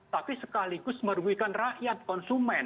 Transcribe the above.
tapi sekaligus merugikan rakyat konsumen